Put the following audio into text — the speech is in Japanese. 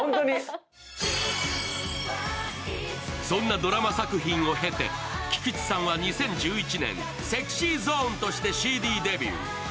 そんなドラマ作品を経て菊池さんは２０１１年、ＳｅｘｙＺｏｎｅとしてＣＤデビュー。